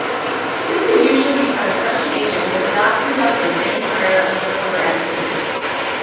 This is usually because such an agent has not conducted any prior undercover activity.